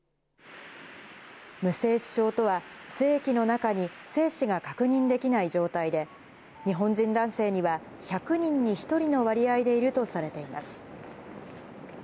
無精子症とは、精液の中に精子が確認できない状態で、日本人男性には１００人に１人の割合でいるとされています。